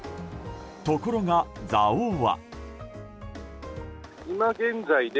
ところが、蔵王は。